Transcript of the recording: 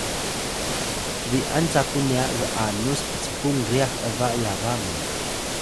bi’an caku nya g’anus pcpung ryax ’ba yaba mu